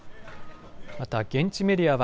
また現地メディアは